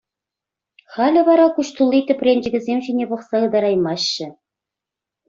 Халӗ вара куҫ тулли тӗпренчӗкӗсем ҫине пӑхса ытараймаҫҫӗ.